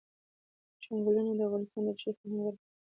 چنګلونه د افغانستان د بشري فرهنګ برخه ده.